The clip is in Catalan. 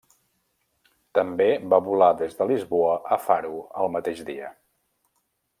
També va volar des de Lisboa a Faro el mateix dia.